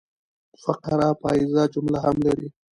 فقره پاییزه جمله هم لري.